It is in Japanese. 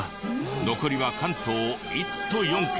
残りは関東１都４県。